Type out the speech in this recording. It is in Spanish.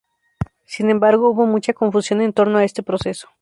Sin embargo, hubo mucha confusión en torno a este proceso.